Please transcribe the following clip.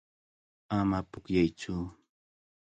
Ama pukllaytsu.